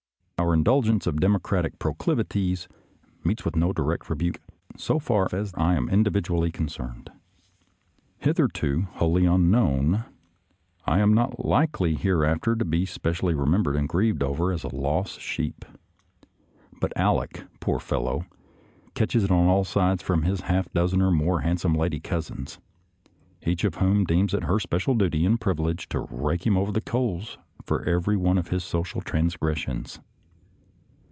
Our indulgence of democratic proclivities meets with no direct rebuke, so far as I am individually concerned. Hitherto wholly unknown, I am not likely hereafter to be spe cially remembered and grieved over as a lost 224 SOLDIER'S LETTERS TO CHARMING NELLIE sheep; but Aleck, poor fellow, catches it on all sides from his half dozen or more handsome lady cousins, each of whom deems it her special duty and privilege to rake him over the coals for every one of his social transgressions.